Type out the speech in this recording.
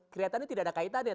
kreatif ini tidak ada kaitannya